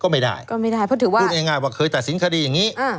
ไม่ง่ายว่าเคยตัดสินคดีอย่างนี้